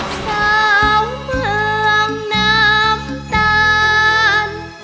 เช้าเมืองน้ำตาล